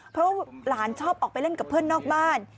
เพราะว่าหลานชอบออกไปเล่นกับเพื่อนนอกบ้าน